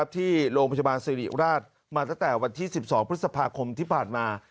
ที่โรงพยาบาลสิริราชมาตั้งแต่วันที่๑๒พฤษภาคมที่ผ่านมา